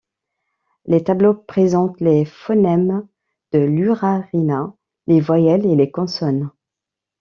Les tableaux présentent les phonèmes de l'urarina, les voyelles et les consonnes.